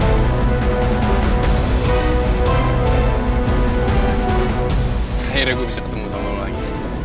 akhirnya gue bisa ketemu sama lo lagi